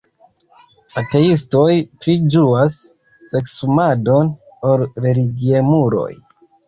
Ateistoj pli ĝuas seksumadon ol religiemuloj.